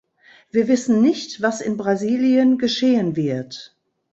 Wir wissen nicht, was in Brasilien geschehen wird.